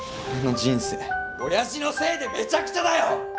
俺の人生親父のせいでめちゃくちゃだよ！